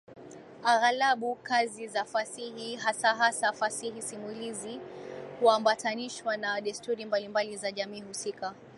Aghalabu kazi za fasihi hasahasa Fasihi Simulizi huambatanishwa na desturi mbalimbali za jamii husika.